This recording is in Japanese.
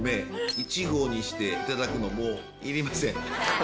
１合にして頂くのもういりません。